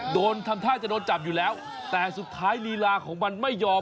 ทำท่าจะโดนจับอยู่แล้วแต่สุดท้ายลีลาของมันไม่ยอม